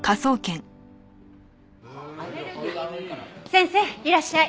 先生いらっしゃい。